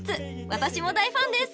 私も大ファンです］